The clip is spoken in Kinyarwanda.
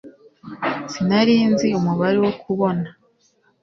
Sinari nzi umubare wo kubona